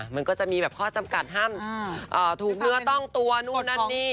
มันก็จะมีแบบข้อจำกัดห้ามถูกเนื้อต้องตัวนู่นนั่นนี่